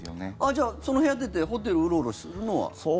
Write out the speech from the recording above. じゃあ、その部屋出てホテルうろうろするのは？